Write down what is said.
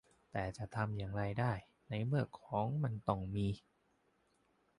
แต่จะทำอย่างไรได้ในเมื่อของมันต้องมี